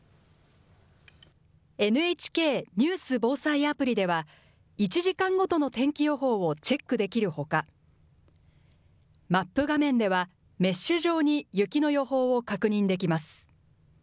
ＮＨＫニュース・防災アプリでは、１時間ごとの天気予報をチェックできるほか、マップ画面では、メッシュ状に雪の予報を確認できます。